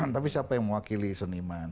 tapi siapa yang mewakili seniman